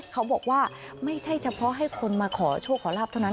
เขาบอกว่าไม่ใช่เฉพาะให้คนมาขอโชคขอลาบเท่านั้น